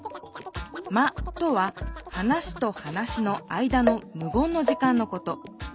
「間」とは話と話の間のむ言の時間のこと。